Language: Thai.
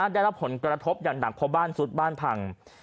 ได้รับผลกระทบอย่างหนักเพราะบ้านซุดบ้านพัง